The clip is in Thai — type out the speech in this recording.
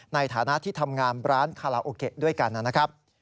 ในฐานะที่ทำงานร้านคาราโอเกะด้วยกันนะครับ